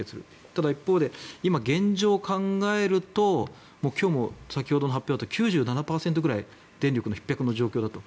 ただ一方で、今、現状を考えると今日も先ほどの発表だと９７％ぐらい電力のひっ迫の状況だと。